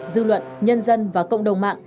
dư luận nhân dân và cộng đồng mạng